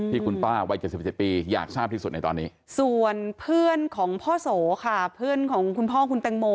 มาคุณป้าวัยกระติกษัตริย์ปีอยากชาปที่สุดยังตอนนี้ส่วนเพื่อนของพ่อโสฮาเพื่อนของคุณพ่อคุณแต่งโม